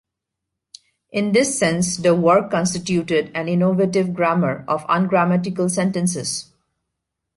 In this sense, the work constituted an innovative 'grammar of ungrammatical sentences'.